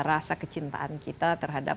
rasa kecintaan kita terhadap